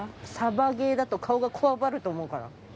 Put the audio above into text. サバゲーだと顔がこわばると思うから。